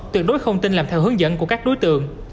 tuyệt đối không tin làm theo hướng dẫn của các đối tượng